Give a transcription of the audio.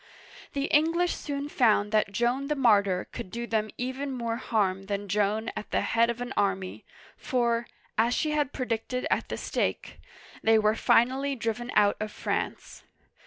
The English soon found that Joan the martyr could do them even more harm than Joan at the head of an army, for, as she had predicted at the stake, they were finally driven out of France.